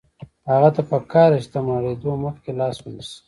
هغه ته پکار ده چې تر مړېدو مخکې لاس ونیسي.